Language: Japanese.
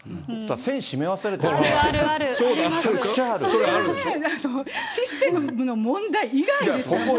栓、閉め忘れてるとか、システムの問題以外ですから。